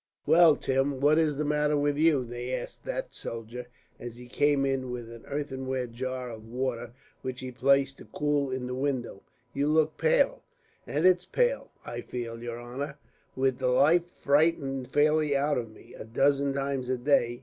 "Well, Tim, what is the matter with you?" they asked that soldier, as he came in with an earthenware jar of water, which he placed to cool in the window. "You look pale." "And it's pale I feel, your honor, with the life frightened fairly out of me, a dozen times a day.